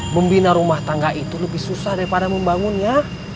membina rumah tangga itu lebih susah daripada membangunnya